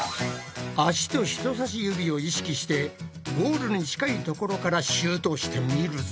足と人さし指を意識してゴールに近いところからシュートしてみるぞ。